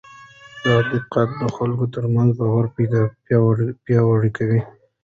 دا دقت د خلکو ترمنځ باور پیاوړی کوي.